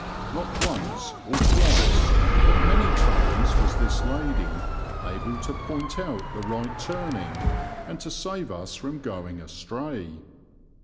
Not once or twice but many times was this lady able to point out the right turning and to save us from going astray.